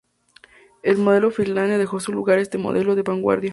El modelo Fairlane dejó su lugar a este modelo de vanguardia.